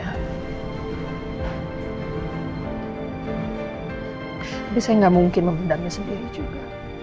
tapi saya nggak mungkin membedamnya sendiri juga